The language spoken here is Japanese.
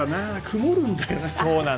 曇るんだよな。